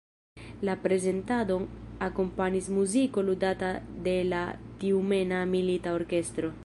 La prezentadon akompanis muziko ludata de la tjumena milita orkestro.